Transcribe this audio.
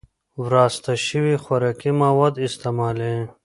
وراسته شوي خوراکي مواد استعمالوي